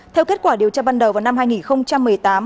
theo kết quả điều tra ban đầu vào năm hai nghìn một mươi tám